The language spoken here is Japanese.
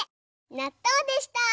なっとうでした！